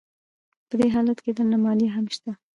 په دې حالت کې درنه مالیه هم شته